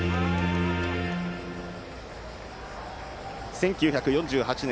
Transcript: １９４８年